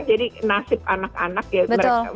jadi nasib anak anak ya